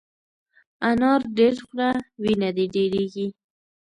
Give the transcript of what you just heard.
انار ډېر خوره ، وینه دي ډېرېږي !